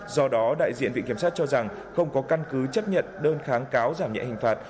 do đó đại diện viện kiểm sát cho rằng không có căn cứ chấp nhận đơn kháng cáo giảm nhẹ hình phạt